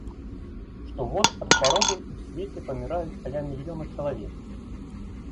Штогод ад хваробы ў свеце паміраюць каля мільёна чалавек.